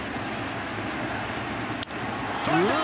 捉えた！